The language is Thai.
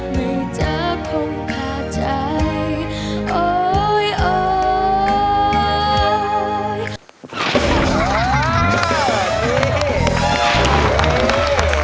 ไม่จะคงพาใจโอ๊ยโอ๊ย